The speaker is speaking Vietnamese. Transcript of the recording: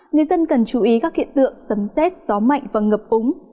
người dân cần chú ý các hiện tượng sấm xét gió mạnh và ngập úng